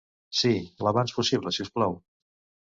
Si, l'abans possible si us plau.